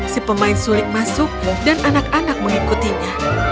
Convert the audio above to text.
si pemain sulit masuk dan anak anak mengikutinya